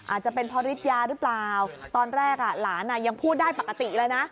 อาจจะเป็นเพราะฤทธิยาหรือเปล่าตอนแรกอ่ะหลานยังพูดได้ปกติเลยนะ